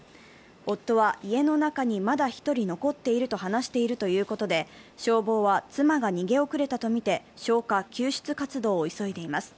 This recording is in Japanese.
夫は、家の中にまだ１人残っていると話しているということで、消防は妻が逃げ遅れたとみて消火・救出活動を急いでいます。